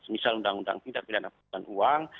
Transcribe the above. misal undang undang pindah pidana pindahan uang